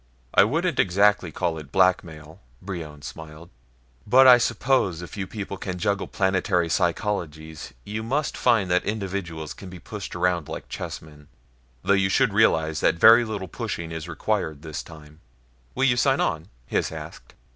"I wouldn't exactly call it blackmail," Brion smiled, "but I suppose if you people can juggle planetary psychologies, you must find that individuals can be pushed around like chessmen. Though you should realize that very little pushing is required this time." "Will you sign on?" Hys asked.